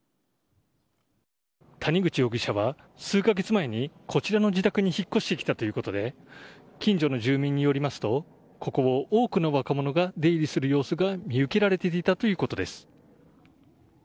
谷口容疑者は数か月前にこちらの自宅に引っ越してきたということで近所の住民によりますとここを多くの若者が出入りする様子が見受けられていたということです。